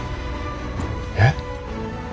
えっ。